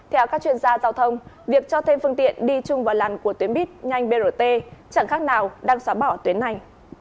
theo các chuyên gia giao thông việc cho thêm phương tiện đi chung vào làn của tuyến bít nhanh brt chẳng khác nào đang xóa bỏ tuyến này